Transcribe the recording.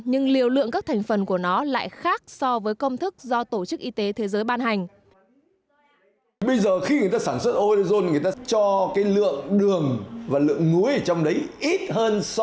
nhưng liều lượng các thành phần của nó lại khác so với công thức do tổ chức y tế thế giới ban hành